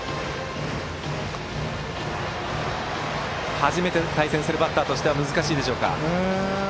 初めて対戦するバッターとしては難しいでしょうか。